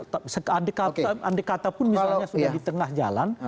tapi andekatapun misalnya sudah di tengah jalan